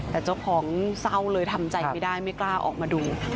แต่เจ้าของเศร้าเลยทำใจไม่ได้ไม่กล้าออกมาดู